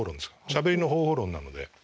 しゃべりの方法論なので。